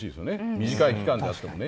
短い期間であってもね。